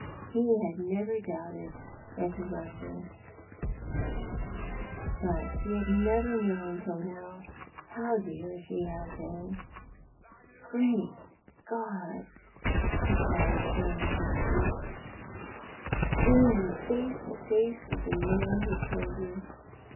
He had never doubted that he loved her ; but he had never known till now how dear she hail been. " Great God !" he cried, springing to his feet, " bring me face to face with the man who killed her.